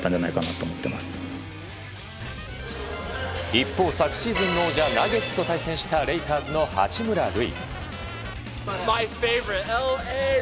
一方、昨シーズン王者ナゲッツと対戦したレイカーズの八村塁。